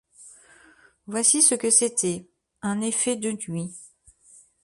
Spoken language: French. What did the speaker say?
Voici ce que c’était: Un effet de nuit.